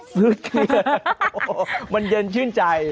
ซึดเกลียดมันเย็นชื่นใจ